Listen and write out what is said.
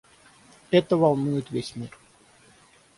Это волнует весь мир.